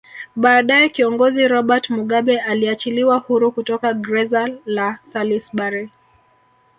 Baadae Kiongozi Robert Mugabe aliachiliwa huru kutoka greza la Salisbury